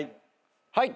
はい！